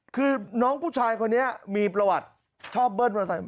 คือน้องผู้ชายคนนี้มีประวัติชอบเบิ้มอเซ